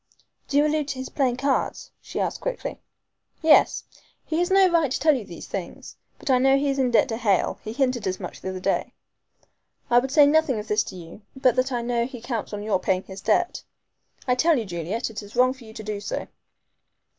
"Do you allude to his playing cards?" she asked quickly. "Yes. He has no right to tell you these things. But I know he is in debt to Hale he hinted as much the other day. I would say nothing of this to you, but that I know he counts on your paying his debts. I tell you, Juliet, it is wrong for you to do so."